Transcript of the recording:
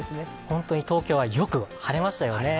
本当に東京はよく晴れましたよね。